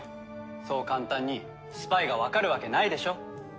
そう簡単にスパイがわかるわけないでしょ。